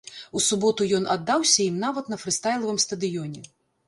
У суботу ён аддаўся ім нават на фрыстайлавым стадыёне.